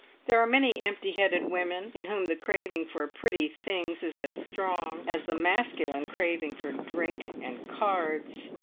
There are many empty headed women in whom the craving for pretty things is as strong as the masculine craving for drink and cards.